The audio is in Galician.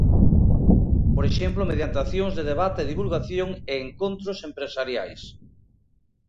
Por exemplo mediante accións de debate e divulgación e encontros empresariais.